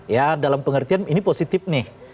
ya dalam pengertian ini positif nih